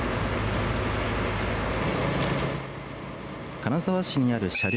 金沢市にある車両